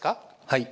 はい。